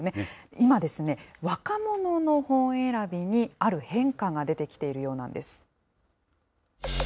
今ですね、若者の本選びに、ある変化が出てきているようなんです。